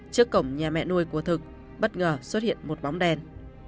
trước cổng nhà mẹ nuôi của thực bất ngờ xuất hiện một bóng đèn